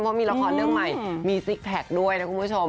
เพราะมีละครเรื่องใหม่มีซิกแพคด้วยนะคุณผู้ชม